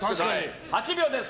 ８秒です。